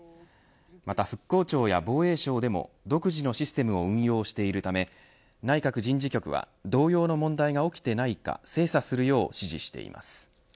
また復興庁や防衛省でも独自のシステムを運用しているため、内閣人事局は同様の問題が起きていないか精査するよう指示しています。